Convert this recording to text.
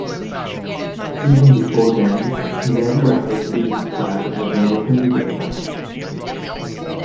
Even before then, he led what has been described as "an openly gay life".